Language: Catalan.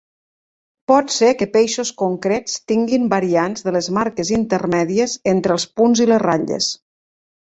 Pot ser que peixos concrets tinguin variants de les marques intermèdies entre els punts i les ratlles.